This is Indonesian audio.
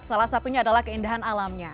salah satunya adalah keindahan alamnya